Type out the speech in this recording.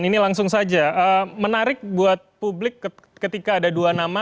ini langsung saja menarik buat publik ketika ada dua nama